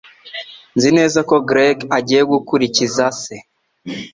Nzi neza ko Greg agiye gukurikiza se